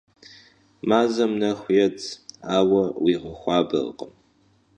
Mazem nexu yêdz, aue yiğexuaberkhım.